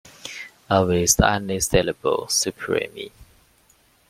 I was unassailable, supreme.